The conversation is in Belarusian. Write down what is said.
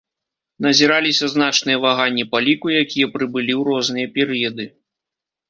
Назіраліся значныя ваганні па ліку якія прыбылі ў розныя перыяды.